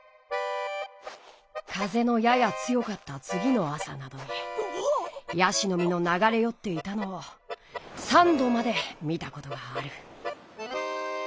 風のやや強かったつぎの朝などに椰子の実の流れ寄っていたのを３度まで見たことがある。